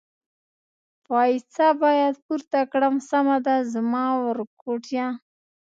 پایڅه باید پورته کړم، سمه ده زما ورکوټیه.